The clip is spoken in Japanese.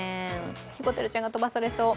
にこてるちゃんが飛ばされそう。